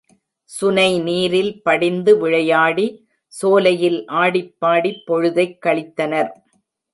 சுனை நீரில் படிந்து விளையாடி, சோலையில் ஆடிப்பாடிப் பொழுதைக் கழித்தனர்.